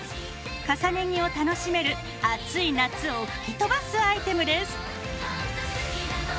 重ね着を楽しめる暑い夏を吹き飛ばすアイテムです。